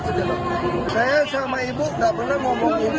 tapi siap pak ahok kalau misalnya diminta ibu untuk ngomongin soal pilkada